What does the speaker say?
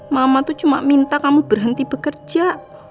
mama tuh cuma minta kamu berhenti bekerja